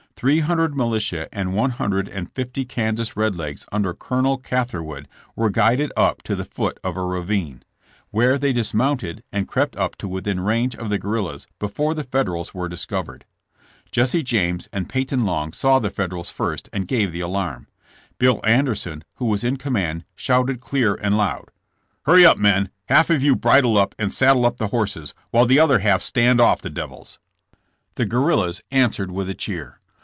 Three hundred militia and one hundred and fifty Kansas Red Legs under Col. Cath erwood were guided up to the foot of a ravine, where they dismounted and crept up to within range of the guerrillas before the Federals were discovered. Jesse Jaimes and Peyton Long saw the Federals first and gave the alarm. Bill Anderson, who was in command, shouted clear and loud: Hurry up, men; half of you bridle up and saddle up the horses, while the other half stand off the devils." JKS3B JAMES AS A GUSRRII^LA. 46 The guerrillas answered with a cheer.